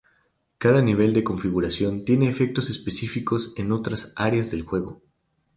Cada nivel de configuración tiene efectos específicos en otras áreas del juego.